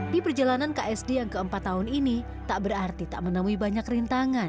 di perjalanan ksd yang keempat tahun ini tak berarti tak menemui banyak rintangan